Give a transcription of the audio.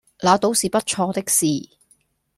那倒是不錯的事